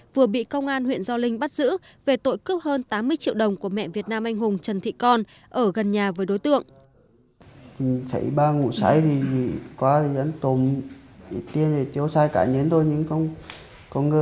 vừa bị công an huyện gio linh bắt giữ về tội cướp hơn tám mươi triệu đồng của mẹ việt nam anh hùng trần thị con ở gần nhà với đối tượng